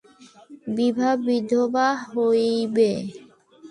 বিভা বিধবা হইবে।